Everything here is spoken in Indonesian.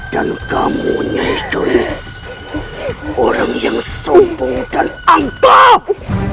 dan kamu yang hidup orang yang sombong dan angkuh